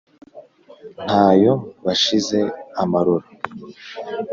nta yo bashize amarora;